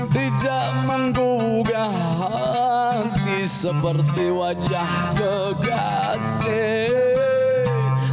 tidak menggugah hati seperti wajah kegasi